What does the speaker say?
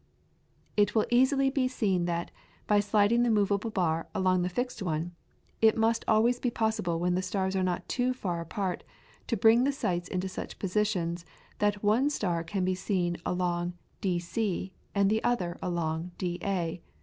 It will easily be seen that, by sliding the movable bar along the fixed one, it must always be possible when the stars are not too far apart to bring the sights into such positions that one star can be seen along DC and the other along DA.